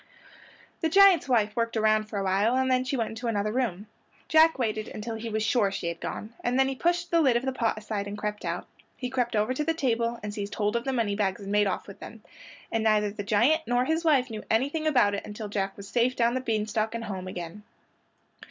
The giant's wife worked around for awhile and then she went into another room. Jack waited until he was sure she had gone, and then he pushed the lid of the pot aside and crept out. He crept over to the table and seized hold of the moneybags and made off with them, and neither the giant nor his wife knew anything about it until Jack was safe down the bean stalk and home again.